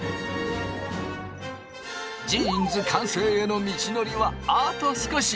ジーンズ完成への道のりはあと少し。